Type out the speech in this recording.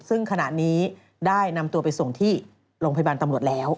ซึ่งขณะนี้ได้นำตัวไปส่งที่โรงพยาบาลตำรวจแล้ว